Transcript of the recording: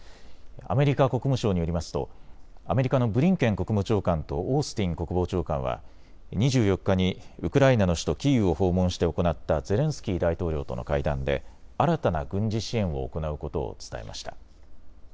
アメリカ国務省によりますとアメリカのブリンケン国務長官とオースティン国防長官は２４日にウクライナの首都キーウを訪問して行ったゼレンスキー大統領との会談で新たな軍事支援を行うことを伝えました。